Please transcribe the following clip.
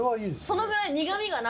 そのぐらい。